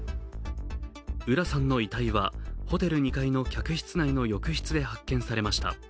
浦さんの遺体はホテル２階の客室内の浴室で発見されました。